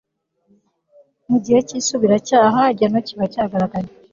mu gihe cy isubiracyaha igihano kiba cyagaragaye